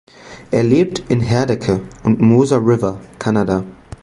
Er lebt in Herdecke und Moser River (Kanada).